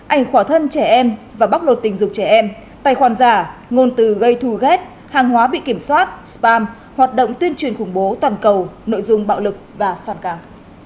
ảnh khỏa thân trẻ em và bóc lột tình dục trẻ em tài khoản giả ngôn từ gây thù ghét hàng hóa bị kiểm soát spam hoạt động tuyên truyền khủng bố toàn cầu nội dung bạo lực và phản cảm